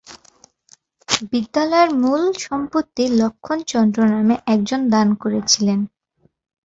বিদ্যালয়ের মূল সম্পত্তি লক্ষ্মণ চন্দ্র নামে একজন দান করেছিলেন।